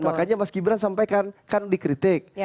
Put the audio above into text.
makanya mas gibran sampai kan di kritik